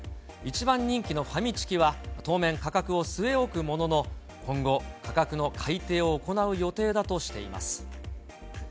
一番人気のファミチキは当面、価格を据え置くものの、今後、価格の改定を行う予定だとしています。